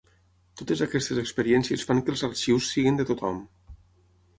Totes aquestes experiències fan que els arxius siguin de tothom.